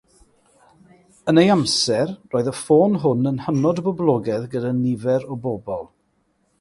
Yn ei amser, roedd y ffôn hwn yn hynod boblogaidd gyda nifer o bobl.